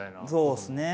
そうですね。